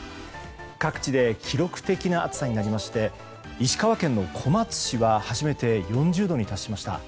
各地で記録的な暑さになりまして石川県の小松市は初めて４０度に達しました。